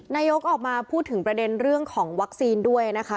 นายกออกมาพูดถึงประเด็นเรื่องของวัคซีนด้วยนะคะ